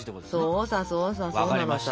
そうさそうさそうなのさ。